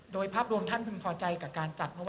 โดยภาพรวมท่านคือพอใจกับการจักรเมื่อไหร่